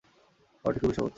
খাবারটি খুবই সহজ।